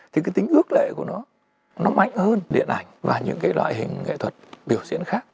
thì cái tính ước lệ của nó nó mạnh hơn điện ảnh và những cái loại hình nghệ thuật biểu diễn khác